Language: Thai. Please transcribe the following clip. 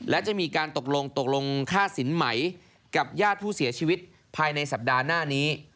และจะมีการตกลงตกลงค่าสินไหมกับญาติผู้เสียชีวิตภายในสัปดาห์หน้านี้